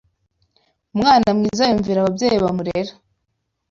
Umwana mwiza yumvira ababyeyi bamurera